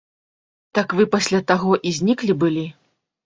Так вы пасля таго і зніклі былі.